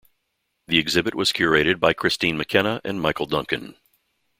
The exhibit was curated by Kristine McKenna and Michael Duncan.